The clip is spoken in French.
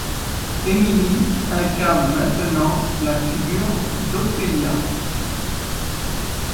Emily incarne maintenant la figure d' Ophélia.